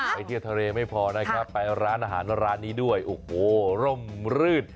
ไปเที่ยวทะเลไม่พอนะครับไปร้านอาหารร้านนี้ด้วยโอ้โหร่มรื่น